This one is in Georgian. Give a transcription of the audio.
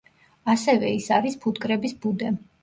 ასევე ის არის ფუტკრების ბუდე.